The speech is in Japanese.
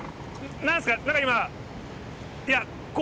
何がですか？